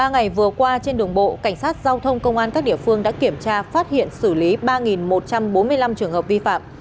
ba ngày vừa qua trên đường bộ cảnh sát giao thông công an các địa phương đã kiểm tra phát hiện xử lý ba một trăm bốn mươi năm trường hợp vi phạm